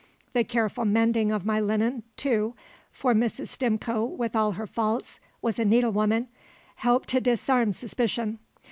The careful mending of my linen, too for Mrs. Stimcoe with all her faults was a needlewoman helped to disarm suspicion.